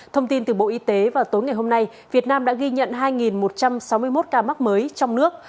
thông tin từ bộ y tế vào tối ngày hôm nay việt nam đã ghi nhận hai một trăm sáu mươi một ca mắc mới trong nước